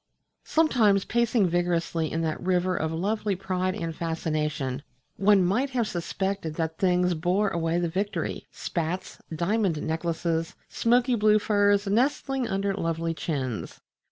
Sometimes, pacing vigorously in that river of lovely pride and fascination, one might have suspected that other things bore away the victory spats, diamond necklaces, smoky blue furs nestling under lovely chins....